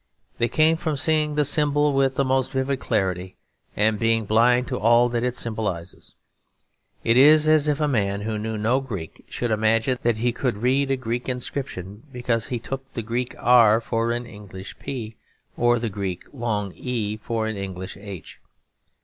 They came from seeing the symbol with the most vivid clarity and being blind to all that it symbolises. It is as if a man who knew no Greek should imagine that he could read a Greek inscription because he took the Greek R for an English P or the Greek long E for an English H.